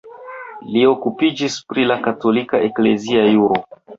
Li okupiĝis pri la katolika eklezia juro.